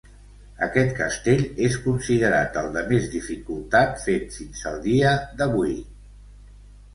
Aquest castell és considerat el de més dificultat fet fins al dia d'avui.